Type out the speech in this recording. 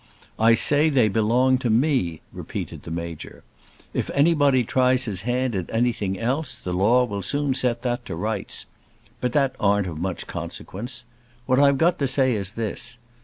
"I say they belong to me," repeated the Major. "If anybody tries his hand at anything else the law will soon set that to rights. But that aren't of much consequence. What I've got to say is this.